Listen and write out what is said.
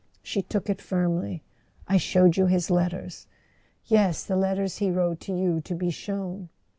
She took it firmly. "I showed you his letters." "Yes: the letters he wrote to you to be shown."